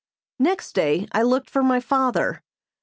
] Next day I looked for my father.